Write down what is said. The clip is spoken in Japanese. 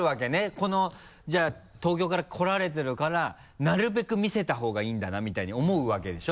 このじゃあ東京から来られてるからなるべく見せた方がいいんだなみたいに思うわけでしょ？